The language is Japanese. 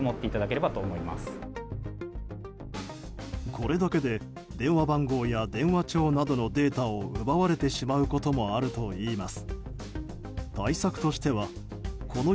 これだけで電話番号や電話帳などのデータを奪われてしまうこともあるといいます。